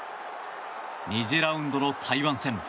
２次ラウンドの台湾戦。